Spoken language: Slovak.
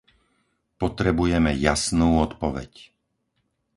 Potrebujeme jasnú odpoveď.